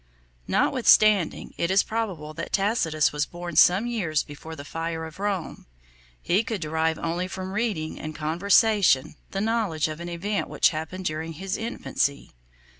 36 2. Notwithstanding it is probable that Tacitus was born some years before the fire of Rome, 37 he could derive only from reading and conversation the knowledge of an event which happened during his infancy.